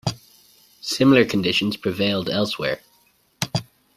Similar conditions prevailed elsewhere.